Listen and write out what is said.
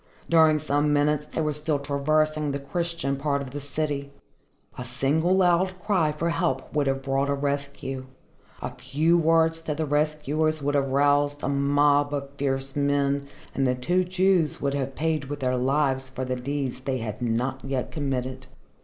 During some minutes they were still traversing the Christian part of the city. A single loud cry for help would have brought a rescue, a few words to the rescuers would have roused a mob of fierce men and the two Jews would have paid with their lives for the deeds they had not yet committed.